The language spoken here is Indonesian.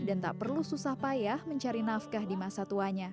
dan tak perlu susah payah mencari nafkah di masa tuanya